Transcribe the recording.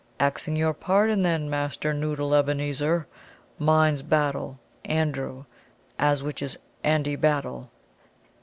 "Axing your pardon, then, Master Noddle Ebenezer, mine's Battle Andrew, as which is Andy, Battle."